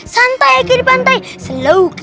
santai ya kiri pantai